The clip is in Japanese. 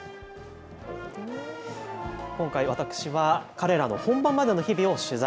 今回、私は彼らの本番までの日々を取材。